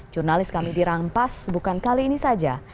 jurnalis kami dirampas bukan kali ini saja